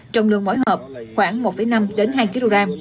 trọng lượng mỗi hộp khoảng một năm hai kg